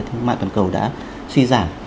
thương mại toàn cầu đã suy giảm